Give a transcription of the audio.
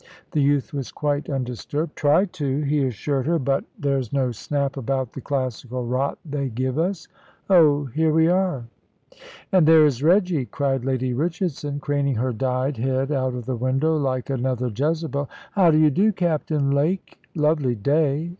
The youth was quite undisturbed. "Try to," he assured her; "but there's no snap about the classical rot they give us. Oh, here we are." "And there is Reggy," cried Lady Richardson, craning her dyed head out of the window like another Jezebel. "How d'y do, Captain Lake? Lovely day!